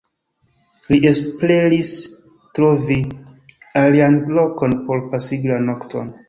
Li esperis trovi alian lokon por pasigi la nokton.